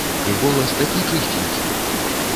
І голас такі чысценькі!